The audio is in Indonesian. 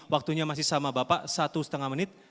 waktunya masih sama bapak satu setengah menit